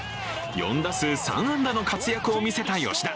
４打数４安打の活躍を見せた吉田。